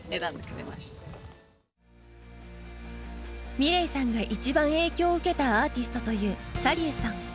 ｍｉｌｅｔさんが一番影響を受けたアーティストというＳａｌｙｕさん。